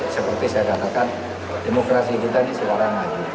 seperti saya katakan demokrasi kita ini sekarang lagi